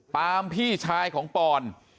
ปาล์มพี่ชายของปอน